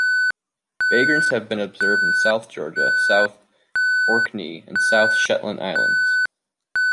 Vagrants have been observed in South Georgia, South Orkney and the South Shetland Islands.